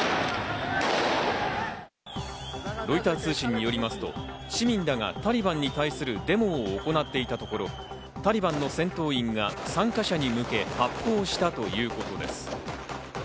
ロイター通信によりますと、市民らがタリバンに対するデモを行っていたところ、タリバンの戦闘員が参加者に向け発砲したということです。